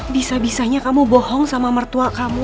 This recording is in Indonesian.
bisa bisanya kamu bohong sama mertua kamu